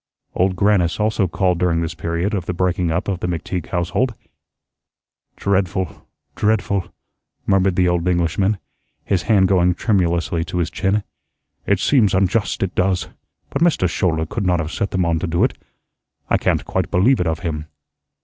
Old Grannis also called during this period of the breaking up of the McTeague household. "Dreadful, dreadful," murmured the old Englishman, his hand going tremulously to his chin. "It seems unjust; it does. But Mr. Schouler could not have set them on to do it. I can't quite believe it of him."